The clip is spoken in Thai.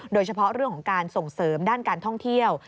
โดยเฉพาะเรื่องของการส่งเสริมด้านการท่องเที่ยว